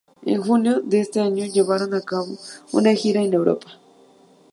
En junio de ese año llevaron a cabo una gira en Europa.